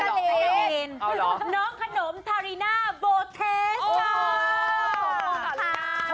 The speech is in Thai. น้องขนมทาริน่าโบเทสค่ะ